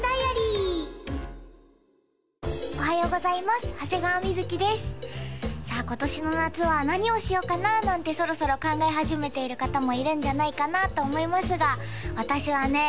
おはようございます長谷川瑞ですさあ今年の夏は何をしようかな？なんてそろそろ考え始めている方もいるんじゃないかなと思いますが私はね